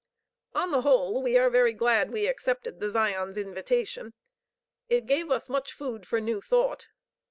On the whole, we are very glad we accepted the Zion's invitation. It gave us much food for new thought.